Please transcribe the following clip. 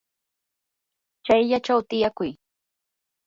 chayllachaw tiyakuy.